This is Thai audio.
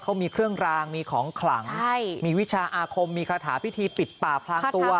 เขามีเครื่องรางมีของขลังมีวิชาอาคมมีคาถาพิธีปิดป่าพลางตัว